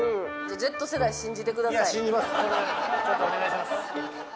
ちょっとお願いします